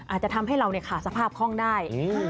อาจจะทำให้เราขาดสภาพคล่องได้